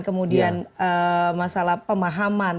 kemudian masalah pemahaman